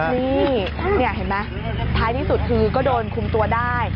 นี่เห็นไหมท้ายที่สุดคือก็โดนคุมตัวได้